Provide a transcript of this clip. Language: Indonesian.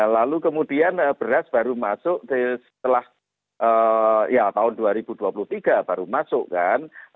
lalu kemudian beras baru masuk setelah ya tahun dua ribu dua puluh tiga baru masuk kan